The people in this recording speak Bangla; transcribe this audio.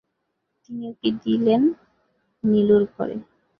তিনি উঁকি দিলেন নীলুর ঘরে।